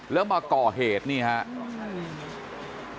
แล้วมาก่อเหตุนี่ครับ